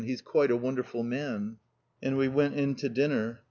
He's quite a wonderful man." And we went in to dinner.